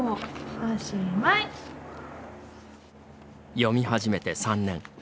読み始めて３年。